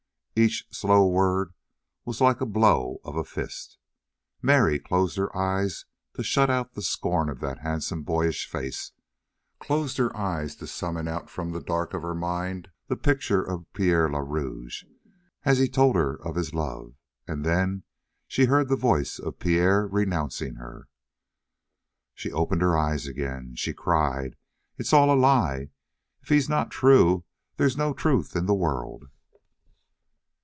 Each slow word was like a blow of a fist. Mary closed her eyes to shut out the scorn of that handsome, boyish face; closed her eyes to summon out from the dark of her mind the picture of Pierre le Rouge as he had told her of his love; and then she heard the voice of Pierre renouncing her. She opened her eyes again. She cried: "It is all a lie! If he is not true, there's no truth in the world."